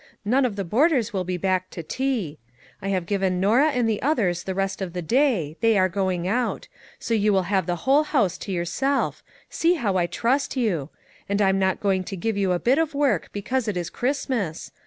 None of the boarders will be back to tea. I have given Norah and the others the rest of the day ; they are going out ; so you will have the whole house to yourself; see how I trust you! And I'm not going to give you a bit of work, because it is Christmas.